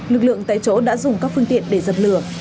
lực lượng tại chỗ đã dùng các phương tiện để dập lửa